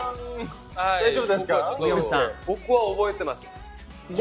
僕は憶えてます。